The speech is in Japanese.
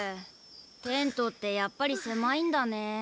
テントってやっぱりせまいんだね。